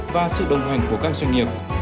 và sự đồng hành của các doanh nghiệp